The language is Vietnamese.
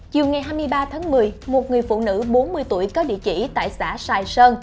chiều ngày hai mươi ba tháng một mươi một người phụ nữ bốn mươi tuổi có địa chỉ tại xã sài sơn